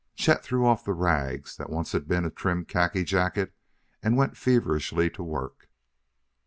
Chet threw off the rags that once had been a trim khaki jacket and went feverishly to work.